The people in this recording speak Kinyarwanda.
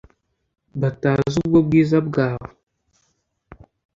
batazi ubwo bwiza bwawe